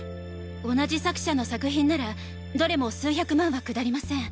同じ作者の作品ならどれも数百万はくだりません。